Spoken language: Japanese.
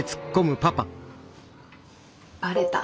バレた？